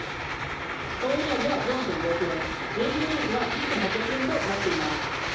総売上は４．５億円営業利益は１．８億円となっています。